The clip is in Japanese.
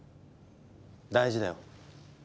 大事だよ。